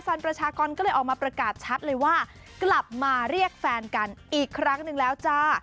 ประชากรก็เลยออกมาประกาศชัดเลยว่ากลับมาเรียกแฟนกันอีกครั้งหนึ่งแล้วจ้า